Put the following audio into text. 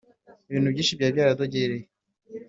ibintubyinshi byari byaradogereye